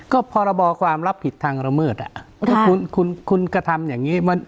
ก็พรบความรับผิดทางระเมิดคุณกระทำอย่างนี้